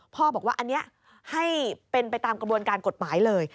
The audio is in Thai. บอกว่าอันนี้ให้เป็นไปตามกระบวนการกฎหมายเลย